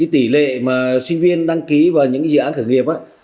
tỷ lệ mà sinh viên đăng ký vào những dự án khởi nghiệp